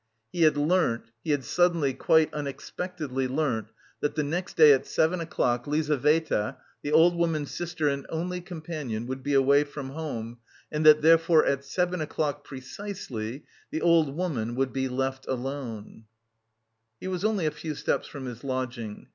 He had learnt, he had suddenly quite unexpectedly learnt, that the next day at seven o'clock Lizaveta, the old woman's sister and only companion, would be away from home and that therefore at seven o'clock precisely the old woman would be left alone. He was only a few steps from his lodging.